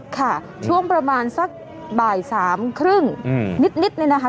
ค่ะช่วงประมาณสักบ่ายสามครึ่งนิดเลยนะคะ